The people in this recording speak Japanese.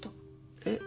えっ？